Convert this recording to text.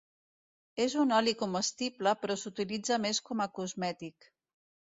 És un oli comestible però s'utilitza més com a cosmètic.